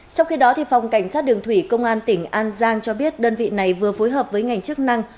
trong khi đó phòng cảnh sát đường thủy công an tỉnh an giang cho biết đơn vị này vừa phối hợp với ngành chức năng